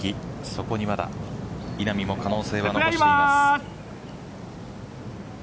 そこには稲見も可能性は残しています。